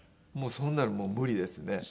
そんなのもう無理ですね。